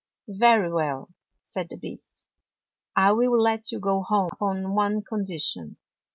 " Very well," said the Beast. " I will let you go home upon one condition.